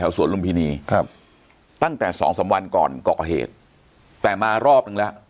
สวนลุมพินีครับตั้งแต่สองสามวันก่อนก่อเหตุแต่มารอบนึงแล้ว